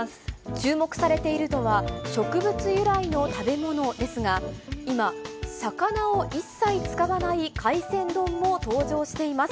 注目されているのは、植物由来の食べ物ですが、今、魚を一切使わない海鮮丼も登場しています。